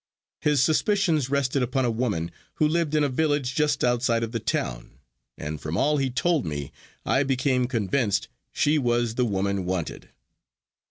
His suspicions rested upon a woman who lived in a village just outside of the town, and from all he told me I became convinced she was the woman wanted.